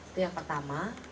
itu yang pertama